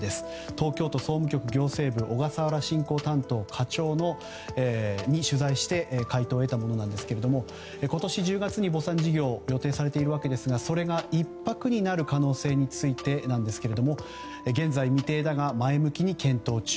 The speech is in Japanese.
東京都総務局行政部小笠原振興担当課長に取材をして回答を得たものなんですけれども今年２月に墓参事業を予定されているわけですがそれが１泊になる可能性についてなんですが現在未定だが前向きに検討中。